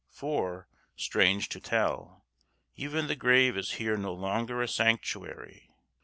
For, strange to tell, even the grave is here no longer a sanctuary.